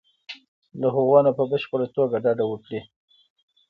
له هغو نه په بشپړه توګه ډډه وکړي.